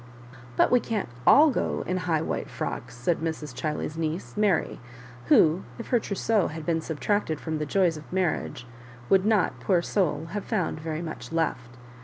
"But we can't all go in high white frocks," said Mrs. Chiley's niece, Mary, who, if her trousseau had been subtracted from the joys of marriage, would not, poor soul! have found very much left.